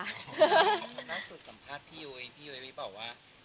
สัมภาษณ์พี่ยุ้ยพี่ยุ้ยบอกว่า